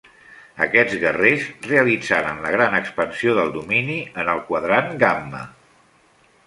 Aquests guerrers realitzaren la gran expansió del Domini en el Quadrant Gamma.